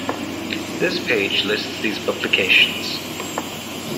This page lists these publications.